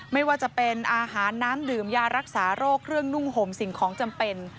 ไม่ว่าจะเป็นอาหารน้ำดื่มยารักษาโรคเครื่องนุ่งห่มสิ่งของจำเป็น